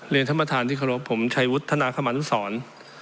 เรียนท่านประธานที่เคารพผมชัยวุทธ์ท่านอาคมันศร